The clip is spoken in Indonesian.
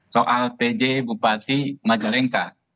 soal pj bupati majalengka